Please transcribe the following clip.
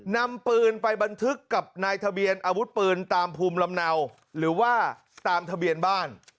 นำปืนไปบันทึกกับนายทะเบียนอาวุธปืนตามภูมิลำเนาหรือว่าตามทะเบียนบ้าน